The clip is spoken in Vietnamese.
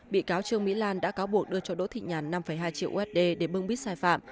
bị cáo trương mỹ lan đã cáo buộc đưa cho đỗ thị nhàn năm hai triệu usd để bưng bít sai phạm